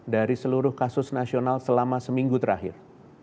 dari seluruh kasus nasional selama seminggu terakhir